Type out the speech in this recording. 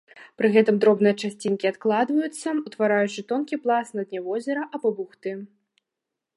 Пры гэтым дробныя часцінкі адкладваюцца, утвараючы тонкі пласт на дне возера або бухты.